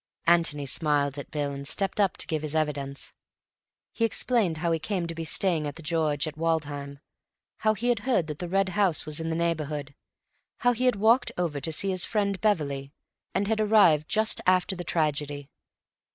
Antony smiled at Bill and stepped up to give his evidence. He explained how he came to be staying at 'The George' at Woodham, how he had heard that the Red House was in the neighbourhood, how he had walked over to see his friend Beverley, and had arrived just after the tragedy.